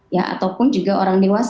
ya ataupun juga orang dewasa